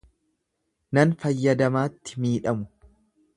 Nan fayyadamaatti miidhamu.